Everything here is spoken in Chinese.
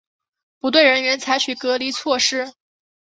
不对人员采取隔离措施